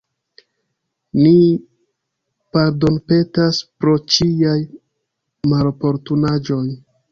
Ni pardonpetas pro ĉiaj maloportunaĵoj.